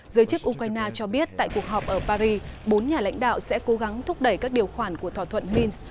giới chức ukraine cho biết tại cuộc họp ở paris bốn nhà lãnh đạo sẽ cố gắng thúc đẩy các điều khoản của thỏa thuận minsk